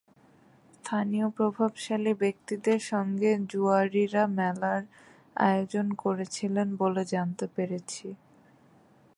স্থানীয় প্রভাবশালী ব্যক্তিদের সঙ্গে জুয়াড়িরা মেলার আয়োজন করেছিলেন বলে জানতে পেরেছি।